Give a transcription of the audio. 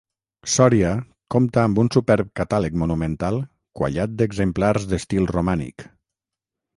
Sòria compta amb un superb catàleg monumental quallat d'exemplars d'estil romànic.